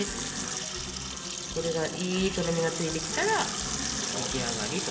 これがいいとろみがついてきたら出来上がりと。